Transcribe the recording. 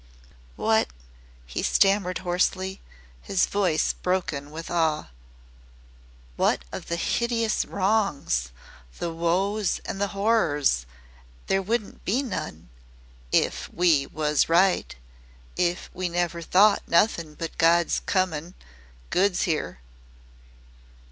"What," he stammered hoarsely, his voice broken with awe, "what of the hideous wrongs the woes and horrors and hideous wrongs?" "There wouldn't be none if WE was right if we never thought nothin' but 'Good's comin' good 's 'ere.'